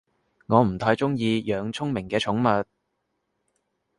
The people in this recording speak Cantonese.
我唔太鍾意養聰明嘅寵物